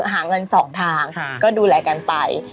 หาเงิน๒ทางก็ดูแลกันไป